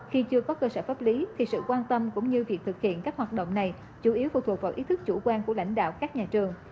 khi chưa có cơ sở pháp lý thì sự quan tâm cũng như việc thực hiện các hoạt động này chủ yếu phụ thuộc vào ý thức chủ quan của lãnh đạo các nhà trường